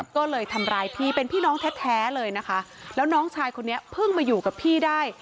ก็เลยทำร้ายพี่เป็นพี่น้องแท้เลยนะคะแล้วน้องชายคนนี้เพิ่งมาอยู่กับพี่ได้